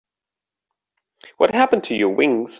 What happened to your wings?